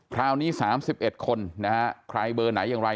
คราวนี้๓๑คนนะฮะใครเบอร์ไหนอย่างไร